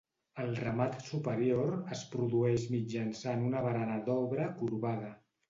El remat superior es produeix mitjançant una barana d'obra corbada.